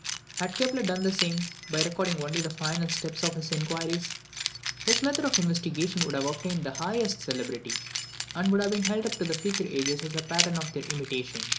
Had Kepler done the same, by recording only the final steps of his inquiries, his method of investigation would have obtained the highest celebrity, and would have been held up to future ages as a pattern for their imitation.